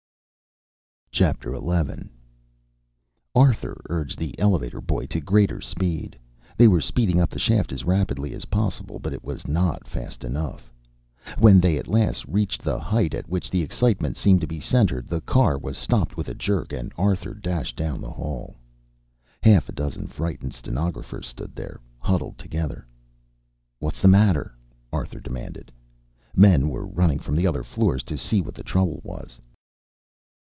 XI. Arthur urged the elevator boy to greater speed. They were speeding up the shaft as rapidly as possible, but it was not fast enough. When they at last reached the height at which the excitement seemed to be centered, the car was stopped with a jerk and Arthur dashed down the hall. Half a dozen frightened stenographers stood there, huddled together. "What's the matter?" Arthur demanded. Men were running, from the other floors to see what the trouble was.